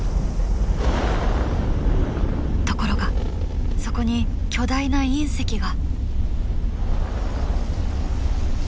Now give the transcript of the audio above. ところがそこに巨大な隕石が。